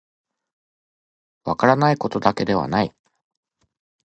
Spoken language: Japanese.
分からないことだけではない